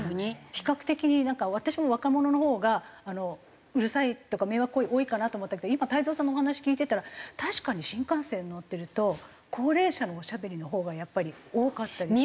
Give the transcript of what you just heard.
比較的私も若者のほうがうるさいとか迷惑行為多いかなと思ったけど今太蔵さんのお話聞いてたら確かに新幹線乗ってると高齢者のおしゃべりのほうがやっぱり多かったりする。